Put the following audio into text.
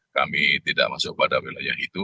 kami tidak masuk pada wilayah itu